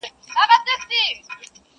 زه چي له خزان سره ژړېږم ته به نه ژاړې٫